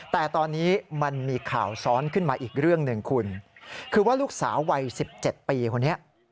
แต่ตอนนี้มันมีข่าวซ้อนขึ้นมาอีกเรื่องหนึ่งคุณคือว่าลูกสาววัย๑๗ปีคนนี้